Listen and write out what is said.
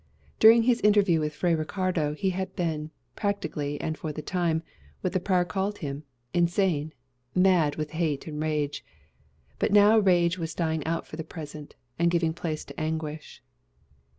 During his interview with Fray Ricardo he had been, practically and for the time, what the prior called him, insane mad with rage and hate. But now rage was dying out for the present, and giving place to anguish.